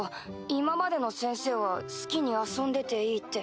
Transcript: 今までの先生は好きに遊んでていいって。